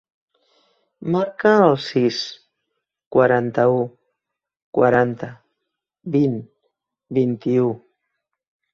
Marca el sis, quaranta-u, quaranta, vint, vint-i-u.